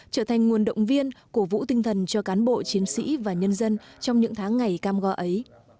trở thành nguồn động viên cổ vũ tinh thần cho cán bộ chiến sĩ và nhân dân trong những tháng ngày cam go ấy